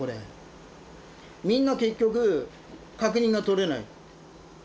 みんな結局確認がとれないって。